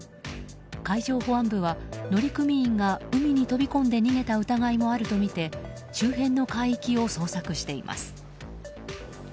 海上保安部は乗組員が海に飛び込んで逃げた疑いもあるとみて周辺の海域を捜索しています。